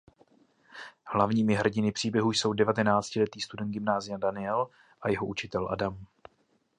Hlavními hrdiny příběhu jsou devatenáctiletý student gymnázia Daniel a jeho učitel Adam.